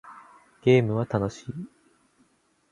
ゲームは楽しい